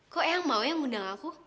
kok yang mau yang undang aku